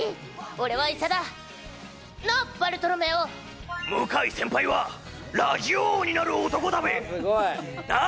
俺は医者だなっバルトロメオ向井先輩はラジオ王になる男だべなあ